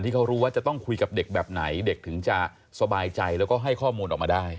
เขารู้ว่าจะต้องคุยกับเด็กแบบไหนเด็กถึงจะสบายใจแล้วก็ให้ข้อมูลออกมาได้